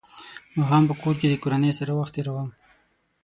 ماښام په کور کې د کورنۍ سره وخت تېروم.